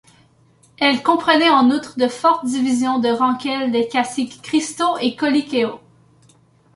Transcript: Elle comprenait en outre de fortes divisions de ranquels des caciques Cristo et Coliqueo.